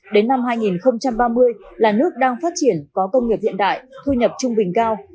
đến năm hai nghìn ba mươi là nước đang phát triển có công nghiệp hiện đại thu nhập trung bình cao